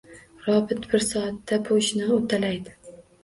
Robot bir soatda bu ishni uddalaydi.